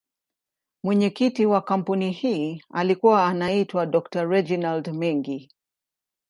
Mwenyekiti wa kampuni hii alikuwa anaitwa Dr.Reginald Mengi.